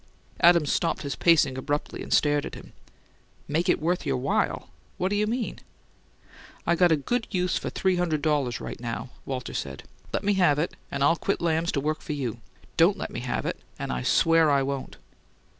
Adams stopped his pacing abruptly, and stared at him. "'Make it worth your while?' What you mean?" "I got a good use for three hundred dollars right now," Walter said. "Let me have it and I'll quit Lamb's to work for you. Don't let me have it and I SWEAR I won't!"